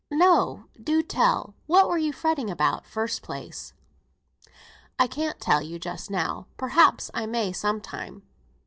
"No; do tell me. What were you fretting about, first place?" "I can't tell you just now; perhaps I may sometime."